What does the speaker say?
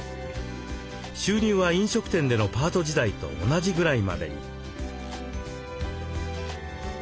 収入は飲食店でのパート時代と同じぐらいまでに。